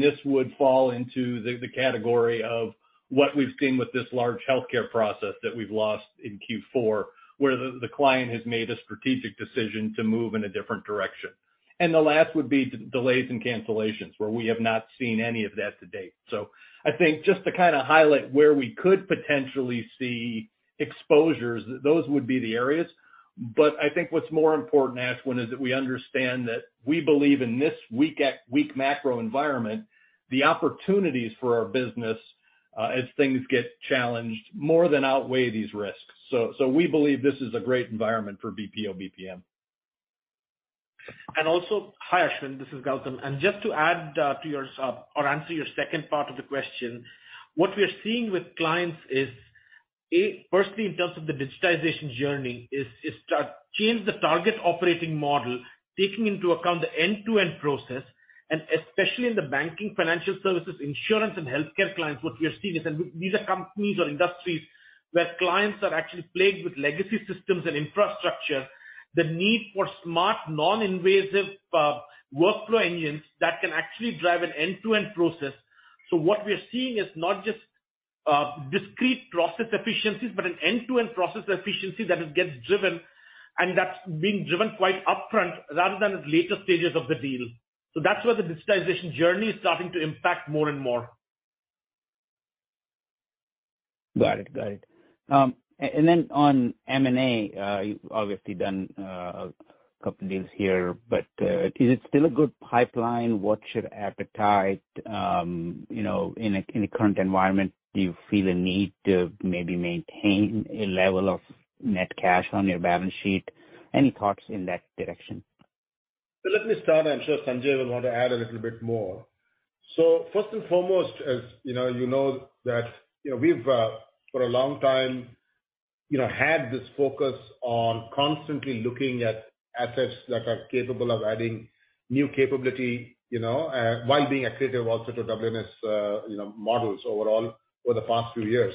This would fall into the category of what we've seen with this large healthcare process that we've lost in Q4, where the client has made a strategic decision to move in a different direction. The last would be delays and cancellations, where we have not seen any of that to date. I think just to kinda highlight where we could potentially see exposures, those would be the areas. I think what's more important, Ashwin, is that we understand that we believe in this weak macro environment, the opportunities for our business, as things get challenged, more than outweigh these risks. We believe this is a great environment for BPO, BPM. Hi, Ashwin. This is Gautam. Just to add to your answer your second part of the question, what we are seeing with clients is, A, firstly, in terms of the digitization journey is to change the target operating model, taking into account the end-to-end process, and especially in the banking, financial services, insurance and healthcare clients, what we are seeing is, and these are companies or industries where clients are actually plagued with legacy systems and infrastructure, the need for smart, non-invasive workflow engines that can actually drive an end-to-end process. What we are seeing is not just discrete process efficiencies, but an end-to-end process efficiency that it gets driven and that's being driven quite upfront rather than at later stages of the deal. That's where the digitization journey is starting to impact more and more. Got it. Then on M&A, you've obviously done a couple deals here, but is it still a good pipeline? What's your appetite, you know, in the current environment? Do you feel a need to maybe maintain a level of net cash on your balance sheet? Any thoughts in that direction? Let me start. I'm sure Sanjay will want to add a little bit more. First and foremost, as you know, you know that, you know, we've for a long time, you know, had this focus on constantly looking at assets that are capable of adding new capability, you know, while being accretive also to WNS, you know, models overall for the past few years.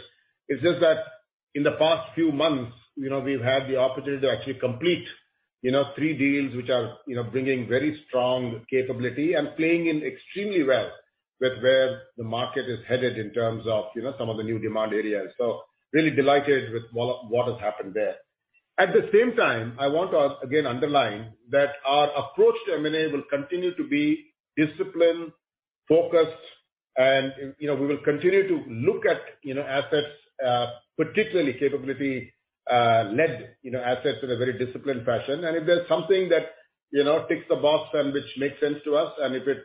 It's just that in the past few months, you know, we've had the opportunity to actually complete, you know, three deals which are, you know, bringing very strong capability and playing in extremely well with where the market is headed in terms of, you know, some of the new demand areas. Really delighted with what has happened there. At the same time, I want to, again, underline that our approach to M&A will continue to be disciplined, focused, and, you know, we will continue to look at, you know, assets, particularly capability, led, you know, assets in a very disciplined fashion. If there's something that, you know, ticks the box and which makes sense to us, and if it,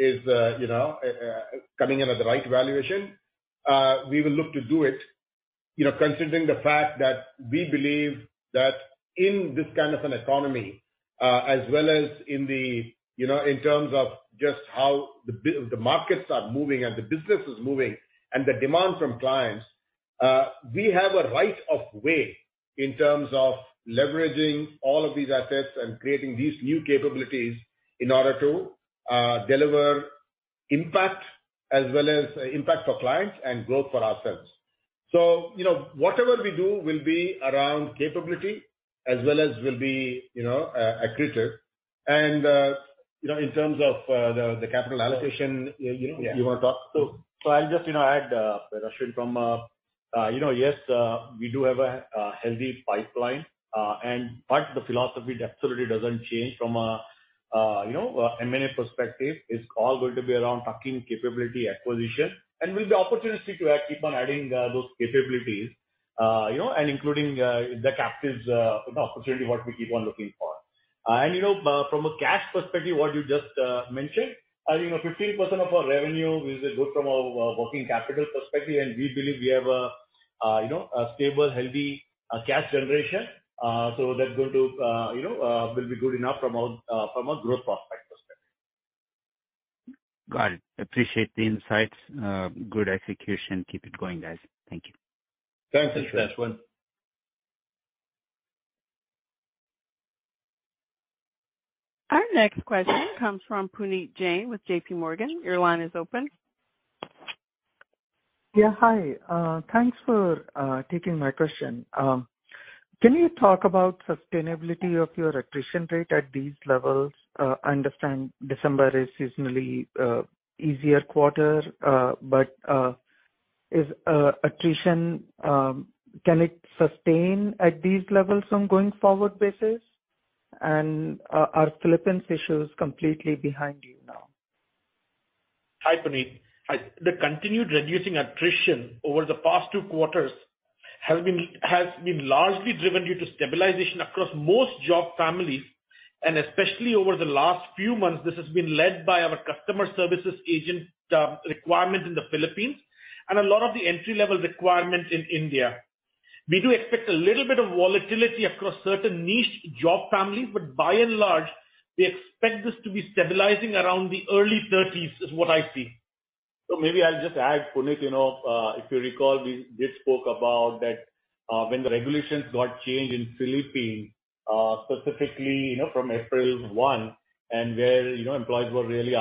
is, you know, coming in at the right valuation, we will look to do it. You know, considering the fact that we believe that in this kind of an economy, as well as in the... You know, in terms of just how the markets are moving and the business is moving and the demand from clients, we have a right of way in terms of leveraging all of these assets and creating these new capabilities in order to deliver impact as well as impact for clients and growth for ourselves. You know, whatever we do will be around capability as well as will be, you know, accretive. You know, in terms of the capital allocation, you wanna talk? I'll just, you know, add, Ashwin, from, you know, yes, we do have a healthy pipeline. Part of the philosophy that absolutely doesn't change from a, you know, M&A perspective, it's all going to be around tuck-in capability acquisition. We'll be opportunistic to keep on adding those capabilities, you know, and including the captives, you know, opportunity what we keep on looking for. You know, from a cash perspective, what you just mentioned, you know, 15% of our revenue is good from a working capital perspective, and we believe we have a, you know, a stable, healthy, cash generation. That's going to, you know, will be good enough from a from a growth prospect perspective. Got it. Appreciate the insights. Good execution. Keep it going, guys. Thank you. Thanks, Ashwin. Thanks, Ashwin. Our next question comes from Puneet Jain with JPMorgan. Your line is open. Hi. Thanks for taking my question. Can you talk about sustainability of your attrition rate at these levels? I understand December is seasonally easier quarter, but is attrition can it sustain at these levels on going forward basis? Are Philippines issues completely behind you now? Hi, Puneet. The continued reducing attrition over the past two quarters has been largely driven due to stabilization across most job families, and especially over the last few months, this has been led by our customer services agent requirement in the Philippines and a lot of the entry-level requirement in India. We do expect a little bit of volatility across certain niche job families, but by and large, we expect this to be stabilizing around the early thirties, is what I see. Maybe I'll just add, Puneet, you know, if you recall, we did spoke about that, when the regulations got changed in Philippines, specifically, you know, from April one and where, you know, employees were really,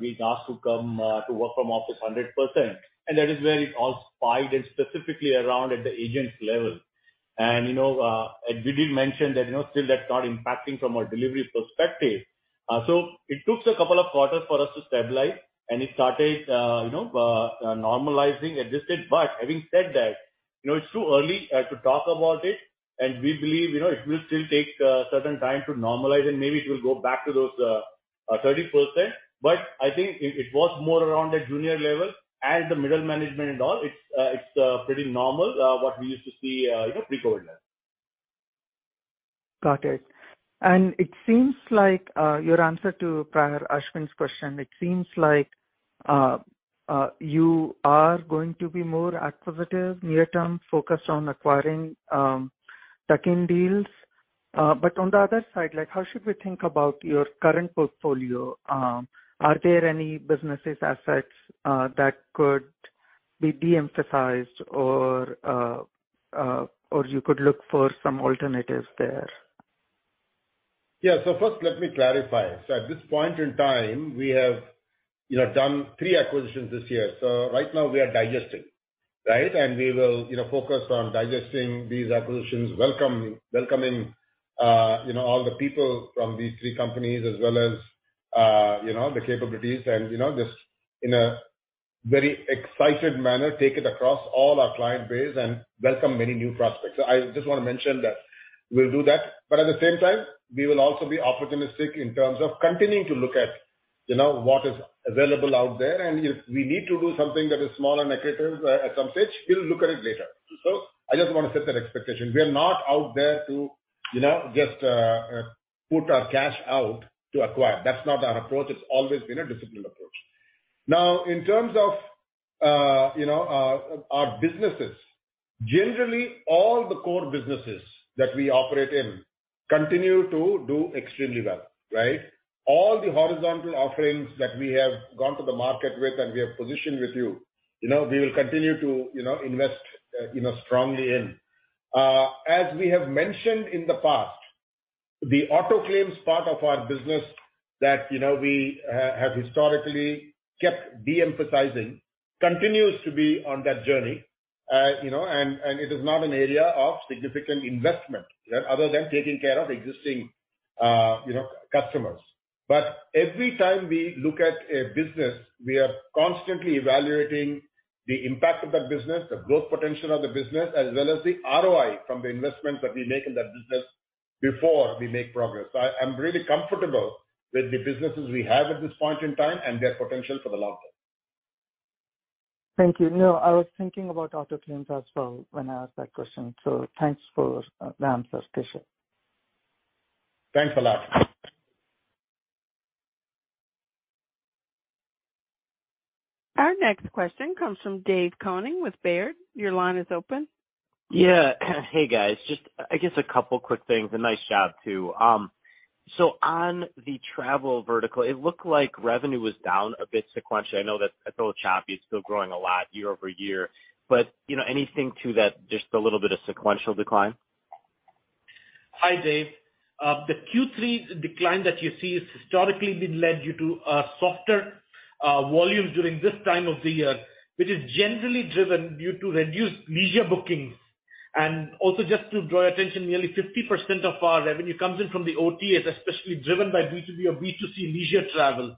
being asked to come, to work from office 100%. That is where it all spiked and specifically around at the agent level. As we did mention that, you know, still that's not impacting from a delivery perspective. It took a couple of quarters for us to stabilize and it started, you know, normalizing a distance. Having said that, you know, it's too early, to talk about it and we believe, you know, it will still take, certain time to normalize and maybe it will go back to those, 30%. I think it was more around the junior level as the middle management and all. It's pretty normal what we used to see, you know, pre-COVID. Got it. It seems like, your answer to prior Ashwin's question, you are going to be more acquisitive near-term focused on acquiring, tuck-in deals. On the other side, like how should we think about your current portfolio? Are there any businesses assets that could be de-emphasized or you could look for some alternatives there? Yeah. First let me clarify. At this point in time, we have, you know, done 3 acquisitions this year. Right now we are digesting, right? We will, you know, focus on digesting these acquisitions, welcome, welcoming, you know, all the people from these three companies as well as, you know, the capabilities. You know, just in a very excited manner, take it across all our client base and welcome many new prospects. I just wanna mention that we'll do that. At the same time we will also be opportunistic in terms of continuing to look at, you know, what is available out there. If we need to do something that is smaller and accretive, at some stage, we'll look at it later. I just wanna set that expectation. We are not out there to, you know, just put our cash out to acquire. That's not our approach. It's always been a disciplined approach. In terms of, you know, our businesses. Generally, all the core businesses that we operate in continue to do extremely well, right. All the horizontal offerings that we have gone to the market with and we have positioned with you know, we will continue to, you know, invest, you know, strongly in. As we have mentioned in the past. The auto claims part of our business that, you know, we have historically kept de-emphasizing continues to be on that journey. You know, and it is not an area of significant investment other than taking care of existing, you know, customers. Every time we look at a business, we are constantly evaluating the impact of that business, the growth potential of the business, as well as the ROI from the investments that we make in that business before we make progress. I'm really comfortable with the businesses we have at this point in time and their potential for the long term. Thank you. No, I was thinking about auto claims as well when I asked that question, so thanks for the answer, Keshav. Thanks a lot. Our next question comes from David Koning with Baird. Your line is open. Yeah. Hey, guys. Just I guess a couple quick things. A nice job, too. On the travel vertical, it looked like revenue was down a bit sequentially. I know that it's a little choppy. It's still growing a lot year-over-year. You know, anything to that just a little bit of sequential decline? Hi, Dave. The Q3 decline that you see has historically been led due to softer volumes during this time of the year, which is generally driven due to reduced leisure bookings. Also, just to draw your attention, nearly 50% of our revenue comes in from the OTAs, especially driven by B2B or B2C leisure travel.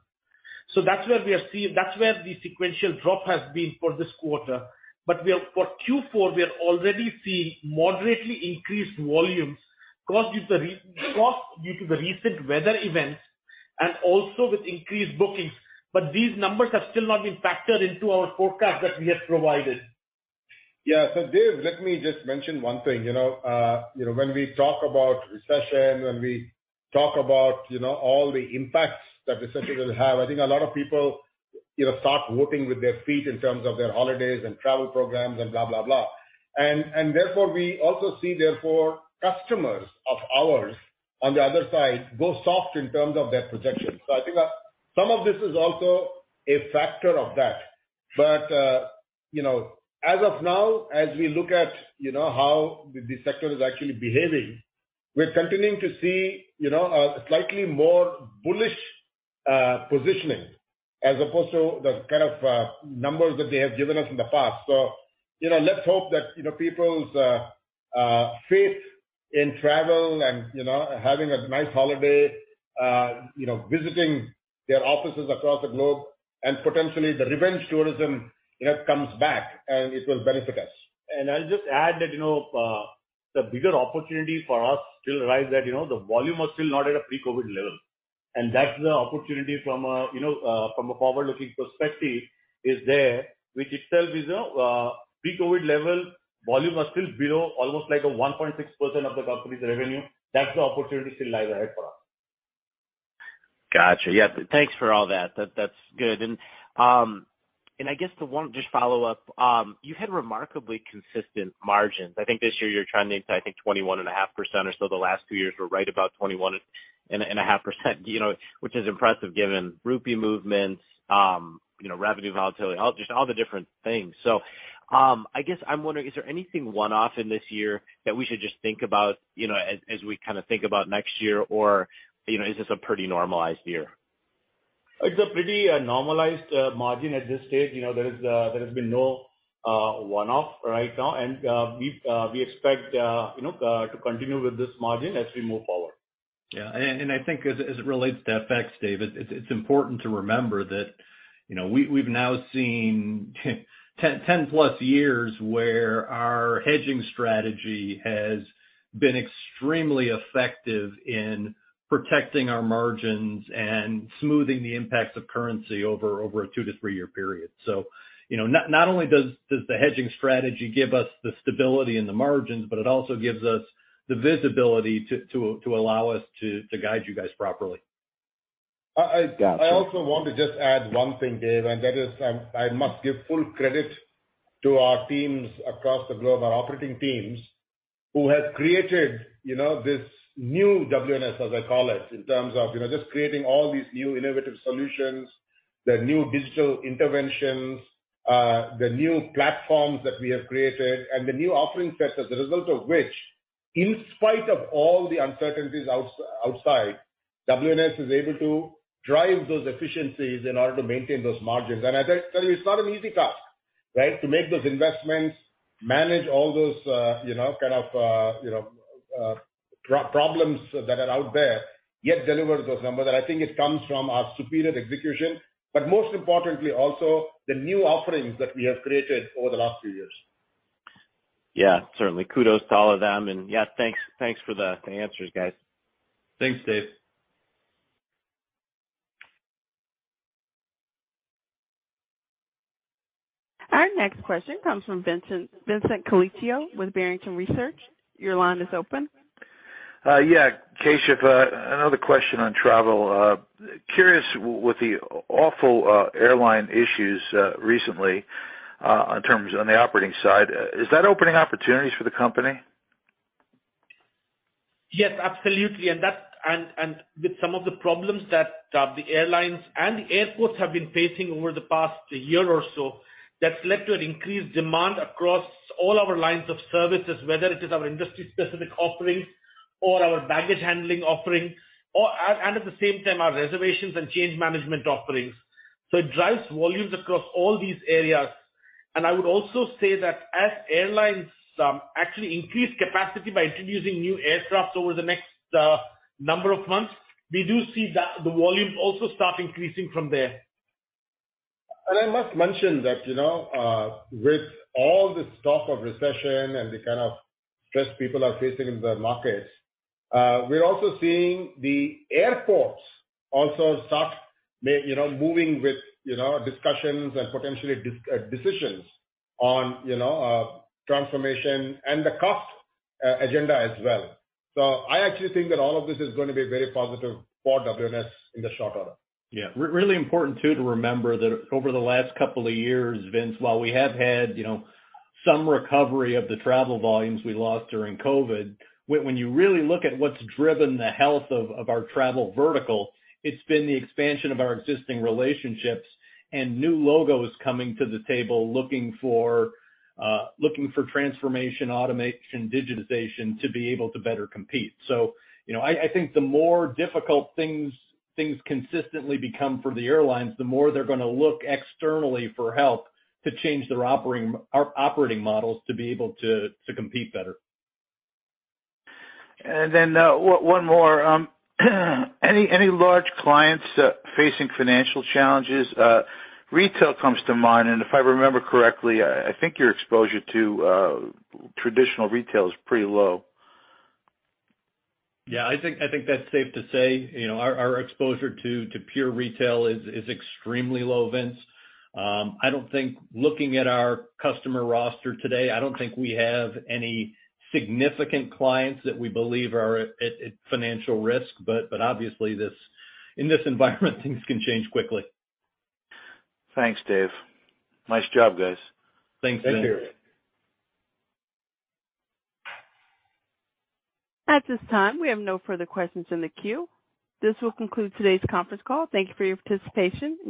That's where the sequential drop has been for this quarter. For Q4, we are already seeing moderately increased volumes caused due to the recent weather events and also with increased bookings. These numbers have still not been factored into our forecast that we have provided. Dave, let me just mention one thing. You know, you know, when we talk about recession, when we talk about, you know, all the impacts that recession will have, I think a lot of people, you know, start whopping with their feet in terms of their holidays and travel programs and blah, blah. Therefore, we also see therefore customers of ours on the other side go soft in terms of their projections. I think, some of this is also a factor of that. You know, as of now, as we look at, you know, how the sector is actually behaving, we're continuing to see, you know, a slightly more bullish, positioning as opposed to the kind of numbers that they have given us in the past. You know, let's hope that, you know, people's faith in travel and, you know, having a nice holiday, you know, visiting their offices across the globe and potentially the revenge tourism, you know, comes back and it will benefit us. I'll just add that, you know, the bigger opportunity for us still lies at, you know, the volume was still not at a pre-COVID level. That's the opportunity from a, you know, from a forward-looking perspective is there, which itself is a pre-COVID level. Volume are still below almost like a 1.6% of the company's revenue. That's the opportunity still lies ahead for us. Got you. Yeah, thanks for all that. That, that's good. I guess the one just follow-up, you had remarkably consistent margins. I think this year you're trending to, I think, 21.5% or so. The last 2 years were right about 21.5%, you know, which is impressive given rupee movements, you know, revenue volatility, all, just all the different things. I guess I'm wondering, is there anything one-off in this year that we should just think about, you know, as we kinda think about next year? Or, you know, is this a pretty normalized year? It's a pretty, normalized, margin at this stage. You know, there is, there has been no, one-off right now. We, we expect, you know, to continue with this margin as we move forward. Yeah. I think as it relates to FX, Dave, it's important to remember that, you know, we've now seen 10-plus years where our hedging strategy has been extremely effective in protecting our margins and smoothing the impacts of currency over a two to three-year period. You know, not only does the hedging strategy give us the stability in the margins, but it also gives us the visibility to allow us to guide you guys properly. Uh, I- Got you. I also want to just add one thing, Dave, and that is, I must give full credit to our teams across the globe, our operating teams, who have created, you know, this new WNS, as I call it, in terms of, you know, just creating all these new innovative solutions, the new digital interventions, the new platforms that we have created and the new offering sets as a result of which, in spite of all the uncertainties outside, WNS is able to drive those efficiencies in order to maintain those margins. As I tell you, it's not an easy task, right? To make those investments, manage all those, you know, kind of, you know, problems that are out there, yet deliver those numbers. I think it comes from our superior execution, but most importantly also the new offerings that we have created over the last few years. Yeah, certainly. Kudos to all of them. Yeah, thanks for the answers, guys. Thanks, Dave. Our next question comes from Vincent Colicchio with Barrington Research. Your line is open. Yeah. Keshav, another question on travel. Curious with the awful airline issues recently, in terms on the operating side, is that opening opportunities for the company? Yes, absolutely. That's with some of the problems that the airlines and the airports have been facing over the past year or so, that's led to an increased demand across all our lines of services, whether it is our industry-specific offerings or our baggage handling offerings, and at the same time, our reservations and change management offerings. It drives volumes across all these areas. I would also say that as airlines actually increase capacity by introducing new aircraft over the next number of months, we do see the volumes also start increasing from there. I must mention that, you know, with all this talk of recession and the kind of stress people are facing in the markets, we're also seeing the airports also start moving with, you know, discussions and potentially decisions on, you know, transformation and the cost agenda as well. I actually think that all of this is gonna be very positive for WNS in the short order. Really important too, to remember that over the last couple of years, Vince, while we have had, you know, some recovery of the travel volumes we lost during COVID, when you really look at what's driven the health of our travel vertical, it's been the expansion of our existing relationships and new logos coming to the table looking for transformation, automation, digitization, to be able to better compete. You know, I think the more difficult things consistently become for the airlines, the more they're gonna look externally for help to change their operating models to be able to compete better. Then, one more. Any large clients facing financial challenges? Retail comes to mind, and if I remember correctly, I think your exposure to traditional retail is pretty low. I think, I think that's safe to say. You know, our exposure to pure retail is extremely low, Vince. Looking at our customer roster today, I don't think we have any significant clients that we believe are at financial risk. Obviously, in this environment things can change quickly. Thanks, Dave. Nice job, guys. Thanks, Vince. Thank you. At this time, we have no further questions in the queue. This will conclude today's conference call. Thank you for your participation.